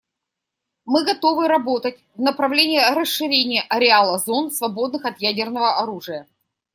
Мы готовы работать в направлении расширения ареала зон, свободных от ядерного оружия.